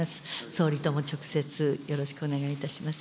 総理とも直接よろしくお願いいたします。